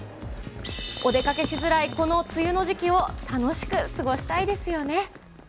お出かけしづらいこの梅雨の時期を楽しく過ごしたいですよね。